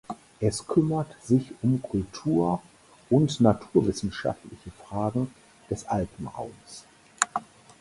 Es kümmert sich um kultur- und naturwissenschaftliche Fragen des Alpenraums.